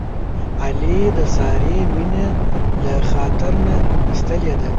علي د سارې مینه له خاطر نه ایستلې ده.